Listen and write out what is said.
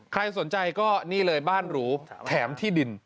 ใครสนใจก็นี่เลยบ้านหรูแถมที่ดิน